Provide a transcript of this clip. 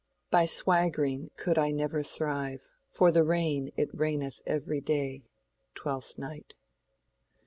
By swaggering could I never thrive, For the rain it raineth every day. —Twelfth Night.